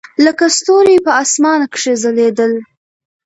لکه ستوري په اسمان کښې ځلېدل.